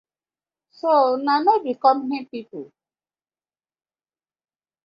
So una no be compani people?